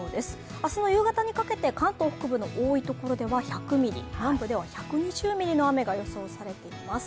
明日の夕方にかけて関東北部の多いところでは１００ミリ、南部では１２０ミリの雨が予想されています。